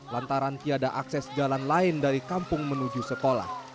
lantaran tiada akses jalan lain dari kampung menuju sekolah